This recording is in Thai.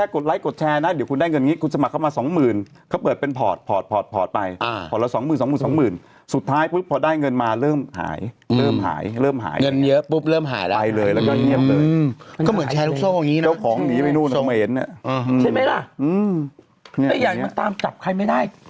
กดไลก์กดแชร์นะเดี๋ยวคุณได้เงินอย่างนี้คุณสมัครเข้ามา๒๐๐๐๐